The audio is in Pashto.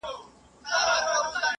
د هېواد ډوبېدل تر هر څه لوی درد دی.